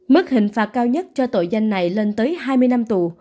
mức hình phạt cao nhất cho tội danh này lên tới hai mươi năm tù